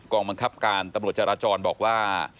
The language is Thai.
องบังคับการตำรวจจราจรบอกว่า